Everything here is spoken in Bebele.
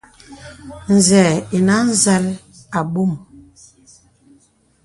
Zɛ̂ ìnə̀ à zàl àbɔ̄m.